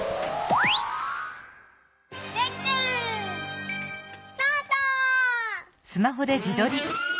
レックスタート！